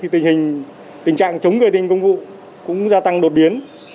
tình trạng chống người thi hành công vụ cũng gia tăng đột biến